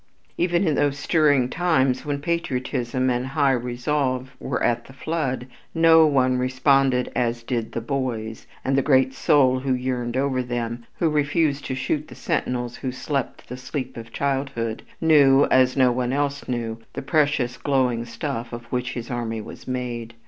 Even in those stirring times when patriotism and high resolve were at the flood, no one responded as did "the boys," and the great soul who yearned over them, who refused to shoot the sentinels who slept the sleep of childhood, knew, as no one else knew, the precious glowing stuff of which his army was made.